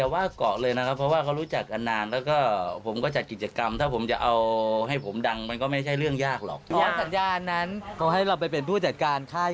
มันก็ต้องมีใบยกเลิกไม่ใช่เหรอก็ต้องมาเข้ามาคุยกันสิ